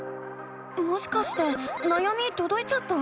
もしかしてなやみとどいちゃった？